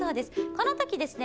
このときですね